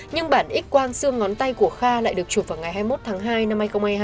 nhưng bản x quang xương ngón tay của kha lại được chuột vào ngày hai mươi một tháng hai năm hai nghìn hai mươi hai